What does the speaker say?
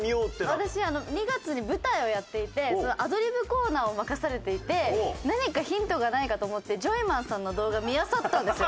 私２月に舞台をやっていてアドリブコーナーを任されていて何かヒントがないかと思ってジョイマンさんの動画見あさったんですよ。